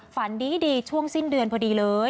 ฝันดีช่วงสิ้นเดือนพอดีเลย